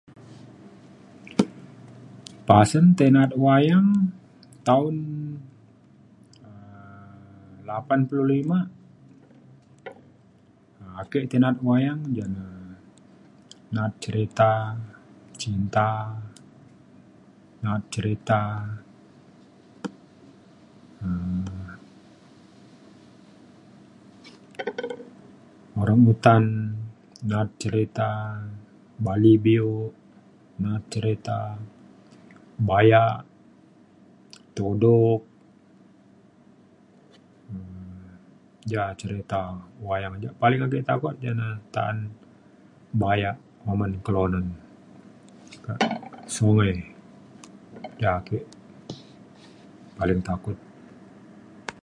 pasen tei na'at wayang taun um lapan puluh lima ake ke na'at wayang ja na na'at cerita cinta na'at cerita um orang utan na'at cerita bali bio na'at cerita bayak tudok um ja cerita wayang ja paling ake takut ja na ta'an bayak kuman kelunan kak sungai ja ake paling takut